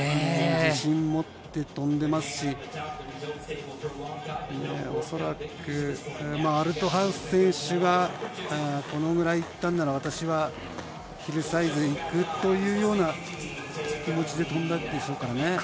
自信を持って飛んでいますし、おそらくアルトハウス選手は、このぐらい行ったなら、私はヒルサイズ行くというような気持ちで飛んだんでしょうかね。